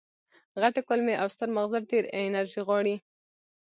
غټې کولمې او ستر ماغز ډېره انرژي غواړي.